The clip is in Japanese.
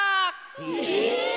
え！